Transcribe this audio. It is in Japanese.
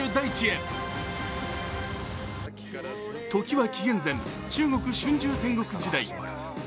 時は紀元前、中国春秋戦国時代。